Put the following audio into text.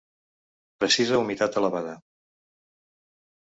Precisa humitat elevada.